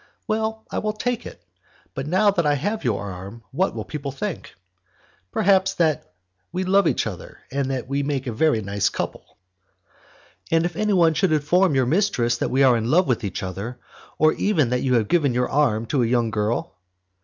"Well, I will take it. But now that I have your arm, what will people think?" "Perhaps that we love each other and that we make a very nice couple." "And if anyone should inform your mistress that we are in love with each other, or even that you have given your arm to a young girl?"